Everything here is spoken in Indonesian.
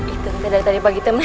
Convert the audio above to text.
itu dari tadi bagi temen